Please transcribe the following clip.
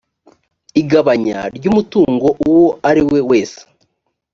igabagabanya ry umutungo uwo ari we wese